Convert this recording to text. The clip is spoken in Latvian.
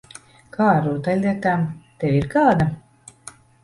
Kā ar rotaļlietām? Tev ir kāda?